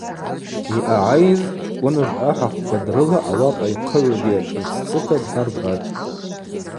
Йъагӏайыз – Чкӏвыныжв ахӏахъвква дрыла, ауапӏа йхъыгӏвугьи ашӏырццыта днарбатӏ.